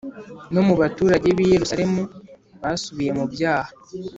No mu baturage b i yerusalemu basubiye mu byaha